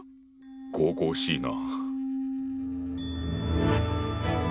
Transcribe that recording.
神々しいな。